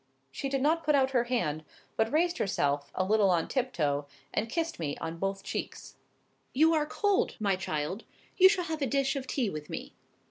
She did not put out her hand, but raised herself a little on tiptoe, and kissed me on both cheeks. "You are cold, my child. You shall have a dish of tea with me."